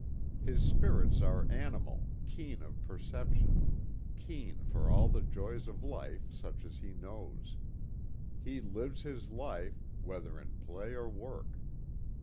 His spirits are animal, keen of perception, keen for all the joys of life such as he knows. He lives his life, whether in play or work.